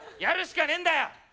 やるしかねえんだよ！